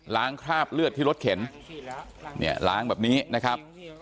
คราบเลือดที่รถเข็นเนี่ยล้างแบบนี้นะครับ